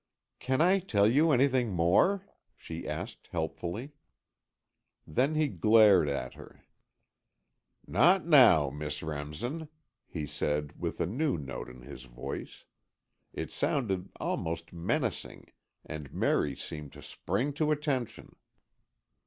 "Can I tell you anything more?" she asked, helpfully. Then he glared at her. "Not now, Miss Remsen," he said, with a new note in his voice. It sounded almost menacing and Merry seemed to spring to attention.